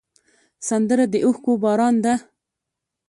سندره د اوښکو باران ده